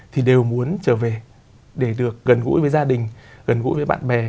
thì đều muốn trở về để được gần gũi với gia đình gần gũi với bạn bè